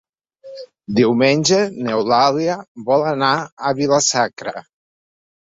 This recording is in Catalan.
Diumenge n'Eulàlia vol anar a Vila-sacra.